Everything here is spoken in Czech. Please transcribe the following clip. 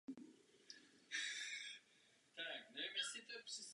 Byla nasazena pro přepravu rudy z Brazílie pro náš průmysl.